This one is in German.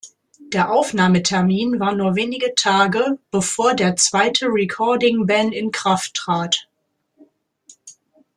Der Aufnahmetermin war nur wenige Tage, bevor der zweite recording ban in Kraft trat.